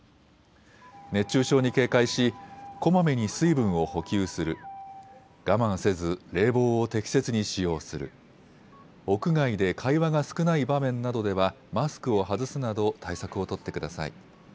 熱中症に警戒しこまめに水分を補給する、我慢せず冷房を適切に使用する、屋外で会話が少ない場面などではマスクを外すなど対策を取ってください。